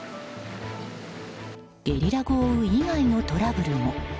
ゲリラ豪雨以外のトラブルも。